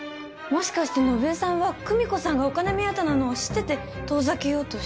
もしかして信枝さんは久美子さんがお金目当てなのを知ってて遠ざけようとしてた？